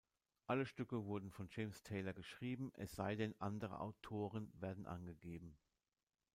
Alle Stücke wurden von James Taylor geschrieben, es sei denn andere Autoren werden angegeben.